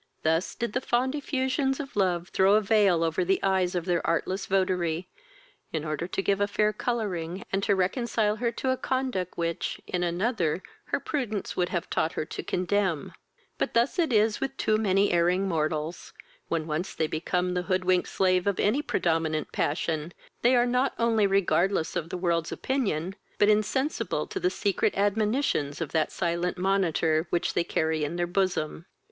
Thus did the fond effusions of love throw a veil over the eyes of their artless votary, in order to give a fair colouring, and to reconcile her to a conduct which, in another, her prudence would have taught her to condemn; but thus it is with too many erring mortals: when once they become the hood winked slaves of any predominant passion, they are not only regardless of the world's opinion, but insensible to the secret admonitions of that silent monitor, which they carry in their bosom.